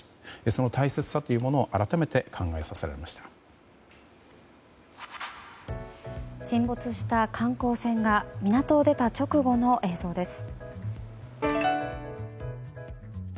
その大切さというのを沈没した観光船が港を出た直後の映像です。